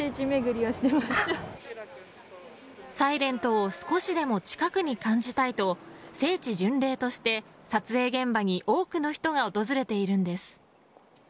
「ｓｉｌｅｎｔ」を少しでも近くに感じたいと聖地巡礼として撮影現場に多くの人が訪れているんです。